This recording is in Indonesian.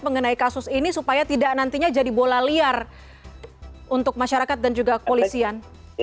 mengenai kasus ini supaya tidak nantinya jadi bola liar untuk masyarakat dan juga kepolisian